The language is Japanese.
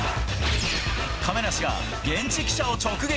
亀梨が現地記者を直撃。